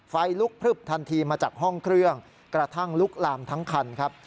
ไฟลุกพลึบทันทีมาจากห้องเครื่องกระทั่งลุกลามทั้งคันครับ